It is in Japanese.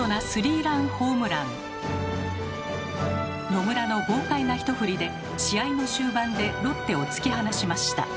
野村の豪快なひと振りで試合の終盤でロッテを突き放しました。